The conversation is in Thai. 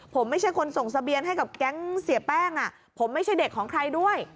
ผมไม่ใช่คนส่งเสบียนให้กับแก๊งเสียแป้งผมไม่ใช่เด็กของใครด้วย